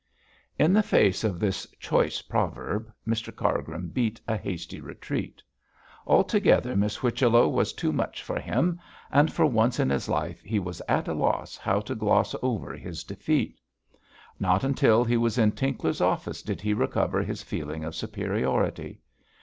In the face of this choice proverb Mr Cargrim beat a hasty retreat. Altogether Miss Whichello was too much for him; and for once in his life he was at a loss how to gloss over his defeat. Not until he was in Tinkler's office did he recover his feeling of superiority.